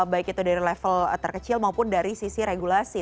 baik itu dari level terkecil maupun dari sisi regulasi